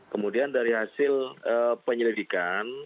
kemudian dari hasil penyelidikan